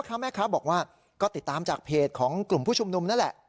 ค้าแม่ค้าบอกว่าก็ติดตามจากเพจของกลุ่มผู้ชุมนุมนั่นแหละ